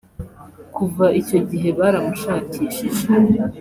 Kuva icyo gihe baramushakishije